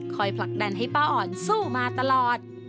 ผลักดันให้ป้าอ่อนสู้มาตลอด